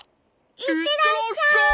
いってらっしゃい！